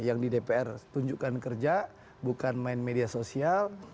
yang di dpr tunjukkan kerja bukan main media sosial